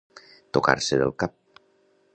Tocar-se del cap.